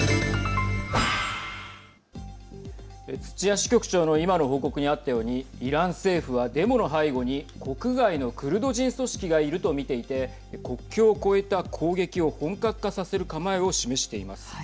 土屋支局長の今の報告にあったようにイラン政府は、デモの背後に国外のクルド人組織がいると見ていて国境を越えた攻撃を本格化させる構えを示しています。